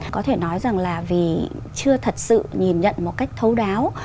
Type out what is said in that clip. có thể nói rằng là vì chưa thật sự nhìn nhận một cách thấu đáo